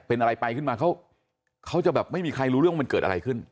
เป็นอะไรไปขึ้นมาเขาจะแบบไม่มีใครรู้เรื่องว่ามันเกิดอะไรขึ้น